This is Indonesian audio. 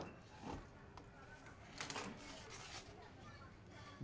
kau mau kemana